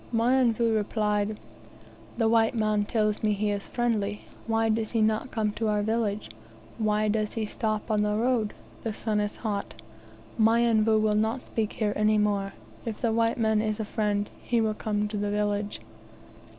Mionvu replied: "The white man tells me he is friendly. Why does he not come to our village? Why does he stop on the road? The sun is hot. Mionvu will not speak here any more. If the white man is a friend he will come to the village."